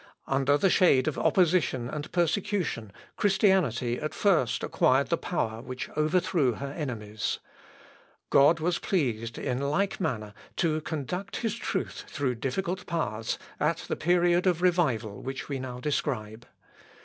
Under the shade of opposition and persecution, Christianity at first acquired the power which overthrew her enemies. God was pleased, in like manner, to conduct his truth through difficult paths at the period of revival which we now describe.